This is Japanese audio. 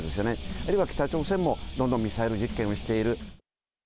あるいは北朝鮮もどんどんミサイル実験をしている。